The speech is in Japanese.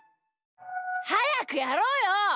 はやくやろうよ！